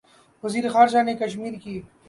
وزیر خارجہ نے کشمیر کے